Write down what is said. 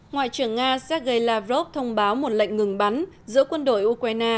ngoại trưởng nga sergei lavrov thông báo một lệnh ngừng bắn giữa quân đội ukraine